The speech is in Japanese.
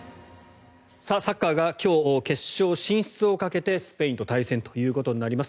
サッカーが今日、決勝進出をかけてスペインと対戦ということになります。